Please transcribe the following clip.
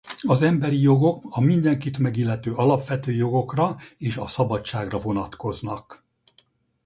Az emberi jogok a mindenkit megillető alapvető jogokra és a szabadságra vonatkoznak.